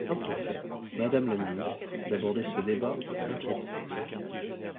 Le simple fait, madame la ministre, d’aborder ce débat est inquiétant.